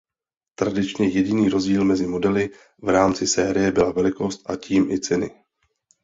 Tradičně jediný rozdíl mezi modely v rámci série byla velikost a tím i ceny.